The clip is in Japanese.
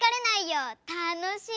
たのしい！